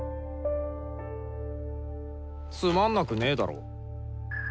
つまんなくねだろ。